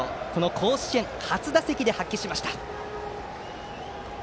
甲子園初打席でそれを発揮しました。